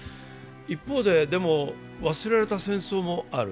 一方で、でも忘れられた戦争もある。